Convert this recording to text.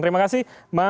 terima kasih mas uki